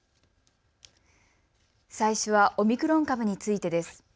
最初はオミクロン株についてです。